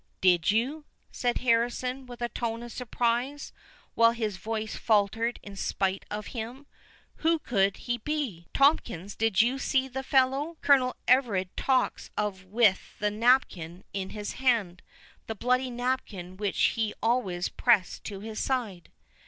"Did you?" said Harrison, with a tone of surprise, while his voice faltered in spite of him—"Who could he be?—Tomkins, did you see the fellow Colonel Everard talks of with the napkin in his hand—the bloody napkin which he always pressed to his side?"